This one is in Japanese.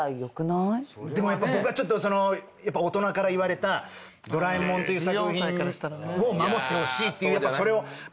でも僕はちょっとやっぱ大人から言われた『ドラえもん』という作品を守ってほしいっていうそれを。